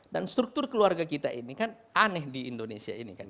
dan struktur keluarga kita ini kan aneh di indonesia ini kan